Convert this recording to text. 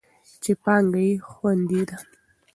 چې پانګه یې خوندي ده.